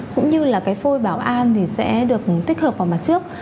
cũng như là cái phôi bảo an thì sẽ được tích hợp vào mặt trước